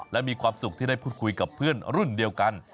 และมีความสุขที่ได้พูดคุยกับเพื่อนรุ่นเดียวกัน